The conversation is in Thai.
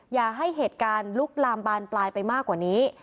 อย่าให้เหตุการณ์ลุกลามบานปลายไปมากกว่านี้